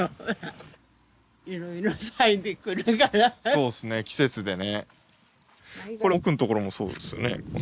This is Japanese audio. そうっすね季節でね。